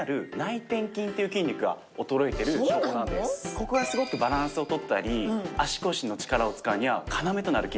ここがすごくバランスを取ったり足腰の力を使うには要となる筋肉なんですね。